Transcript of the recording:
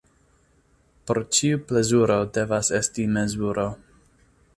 Por ĉiu plezuro devas esti mezuro.